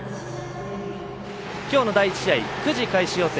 きょうの第１試合９時開始予定。